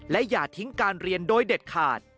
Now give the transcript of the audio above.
และอย่าทิ้งการเรียนโดยเด็ดขาด